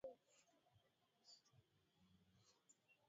mfuko wa mkopo wa dharura umeboreshwa sana